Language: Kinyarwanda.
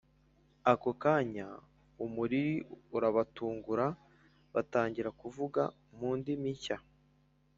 Ako kanya umuriri urabatungura batangira kuvuga mu ndimi nshya